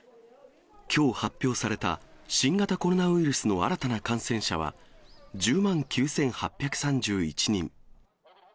きょう発表された新型コロナウイルスの新たな感染者は、１０万９８３１人。